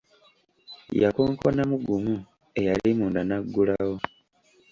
Yakonkonamu gumu eyali munda n’aggulawo.